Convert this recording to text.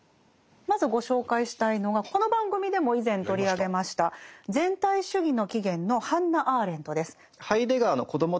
まずご紹介したいのがこの番組でも以前取り上げました「全体主義の起原」のハンナ・アーレントです。